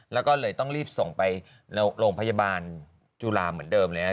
แล้วก็เลยต้องรีบส่งไปโรงพยาบาลจุฬาเหมือนเดิมเลยครับ